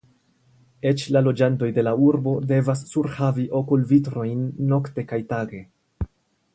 Eĉ la loĝantoj de la Urbo devas surhavi okulvitrojn nokte kaj tage.